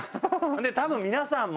「多分皆さんも」